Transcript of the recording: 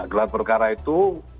gelar perkara itu